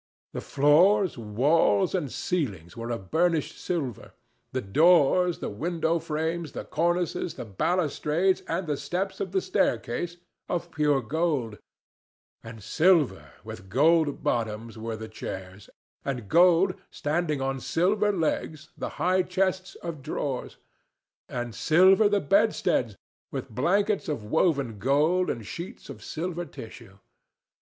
The floors, walls and ceilings were of burnished silver; the doors, the window frames, the cornices, the balustrades and the steps of the staircase, of pure gold; and silver, with gold bottoms, were the chairs, and gold, standing on silver legs, the high chests of drawers, and silver the bedsteads, with blankets of woven gold and sheets of silver tissue.